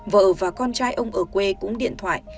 vợ và con trai ông ở quê cũng điện thoại